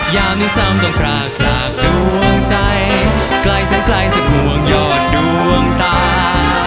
ยามที่ซ้ำต้องพรากจากดวงใจใกล้สังใกล้จะห่วงยอดดวงตา